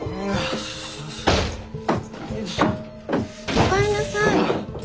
おかえりなさい。